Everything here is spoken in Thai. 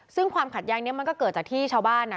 ซึ่งความขัดแย้งนี้มันก็เกิดจากที่ชาวบ้านอ่ะ